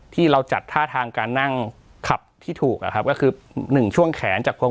ที่เราจัดท่าทางการนั่งขับที่ถูกอะครับก็คือหนึ่งช่วงแขนจากผม